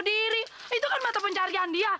diri itu kan mata pencarian dia